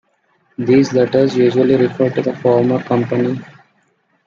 These letters usually refer to the former company.